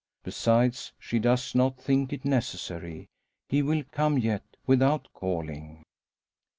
Besides, she does not think it necessary; he will come yet, without calling.